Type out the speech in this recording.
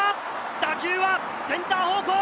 打球はセンター方向！